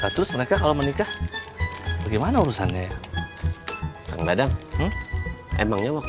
terus mereka kalau mau nikah bagaimana urusannya ya